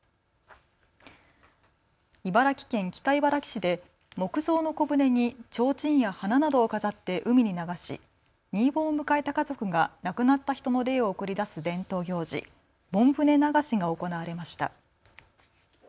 茨城県北茨城市で木造の小舟にちょうちんや花などを飾って海に流し新盆を迎えた家族が亡くなった人の霊を送り出す伝統行事、盆船流しが行われました。